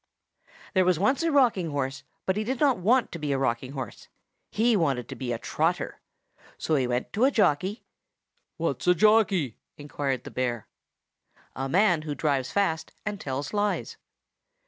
There was once a rocking horse, but he did not want to be a rocking horse. He wanted to be a trotter. So he went to a jockey— "What's a jockey?" inquired the bear. A man who drives fast and tells lies.